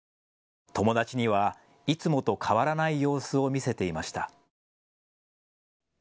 友達にはいつもと変わらない様子を見せていました。